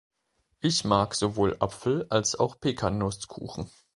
Ich mag sowohl Apfel- als auch Pecannusskuchen.